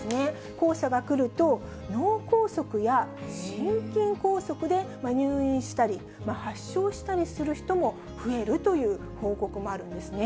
黄砂が来ると、脳梗塞や心筋梗塞で入院したり、発症したりする人も増えるという報告もあるんですね。